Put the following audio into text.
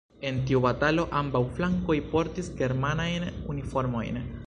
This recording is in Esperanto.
En tiu batalo, ambaŭ flankoj portis germanajn uniformojn.